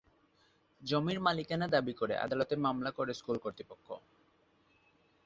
জমির মালিকানা দাবি করে আদালতে মামলা করে স্কুল কর্তৃপক্ষ।